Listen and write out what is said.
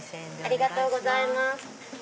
ありがとうございます。